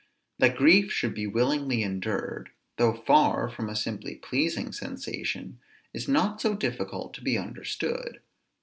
That grief should be willingly endured, though far from a simply pleasing sensation, is not so difficult to be understood.